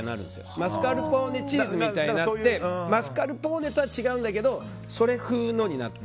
マスカルポーネチーズみたいになってパスカルポーネとは違うんだけどそれ風になって。